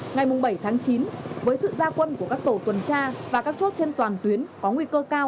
ngày bảy chín với sự gia quân của các tổ tuần tra và các chốt trên toàn tuyến có nguy cơ cao